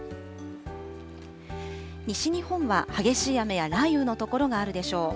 西日本は激しい雨や雷雨の所があるでしょう。